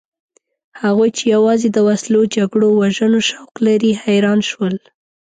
هغوی چې یوازې د وسلو، جګړو او وژنو شوق لري حیران شول.